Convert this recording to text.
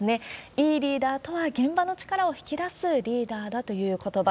いいリーダーとは、現場の力を引き出すリーダーだということば。